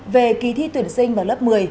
về kỳ thi tuyển sinh vào lớp một mươi